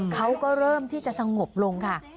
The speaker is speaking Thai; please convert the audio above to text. เขาก็เริ่มที่จะสงบลงค่ะ